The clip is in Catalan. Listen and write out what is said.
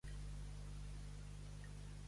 —Digues sí. —Sí. —Menja merda amb un bací!